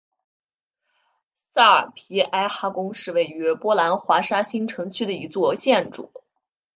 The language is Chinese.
萨皮埃哈宫是位于波兰华沙新城区的一座建筑。